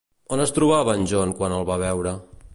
On es trobava en John quan el va veure?